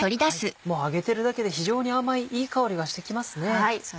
もう揚げてるだけで非常に甘いいい香りがしてきますね。